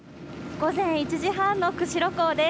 午前１時半の釧路港です。